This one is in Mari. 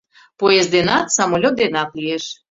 — Поезд денат, самолёт денат лиеш.